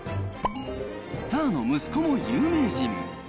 スターの息子も有名人。